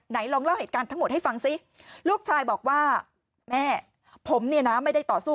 ลองเล่าเหตุการณ์ทั้งหมดให้ฟังซิลูกชายบอกว่าแม่ผมเนี่ยนะไม่ได้ต่อสู้